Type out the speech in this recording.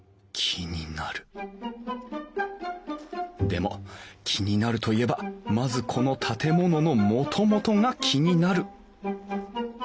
でも気になるといえばまずこの建物のもともとが気になる。